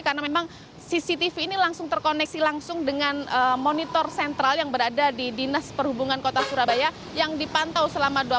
karena memang cctv ini langsung terkoneksi langsung dengan monitor sentral yang berada di dinas perhubungan kota surabaya yang dipantau selama dua puluh empat jam